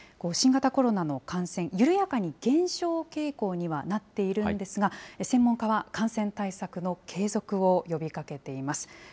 新型コロナの感染、緩やかに減少傾向にはなっているんですが、専門家は感染対策の継続を呼びかけています。